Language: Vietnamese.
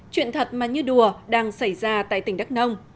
chuyện thật mà như đùa đang xảy ra tại tỉnh đắk nông